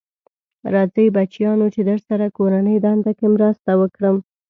راځی بچیانو چې درسره کورنۍ دنده کې مرسته وکړم.